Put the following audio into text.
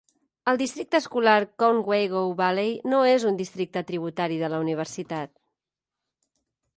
El districte escolar Conewago Valley no és un districte tributari de la universitat.